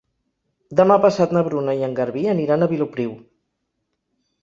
Demà passat na Bruna i en Garbí aniran a Vilopriu.